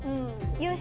よし！